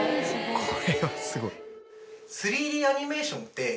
これはすごい。